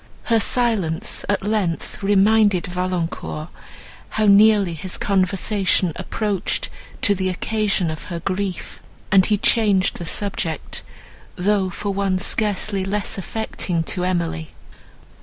Her silence, at length, reminded Valancourt how nearly his conversation approached to the occasion of her grief, and he changed the subject, though for one scarcely less affecting to Emily.